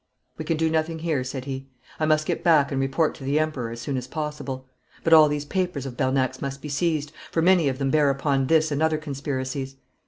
'We can do nothing here,' said he. 'I must get back and report to the Emperor as soon as possible. But all these papers of Bernac's must be seized, for many of them bear upon this and other conspiracies.'